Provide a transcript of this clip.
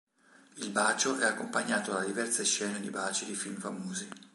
Il bacio è accompagnato da diverse scene di baci di film famosi.